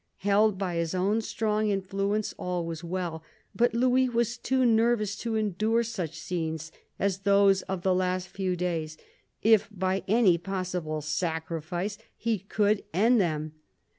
Held by his own strong influence, all was well, but Louis was too nervous to endure such scenes as those of the last few days, if by any possible sacrifice he could end them.